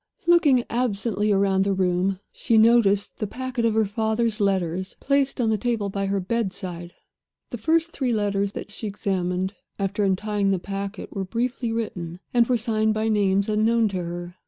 Looking absently round the room, she noticed the packet of her father's letters placed on the table by her bedside. The first three letters that she examined, after untying the packet, were briefly written, and were signed by names unknown to her.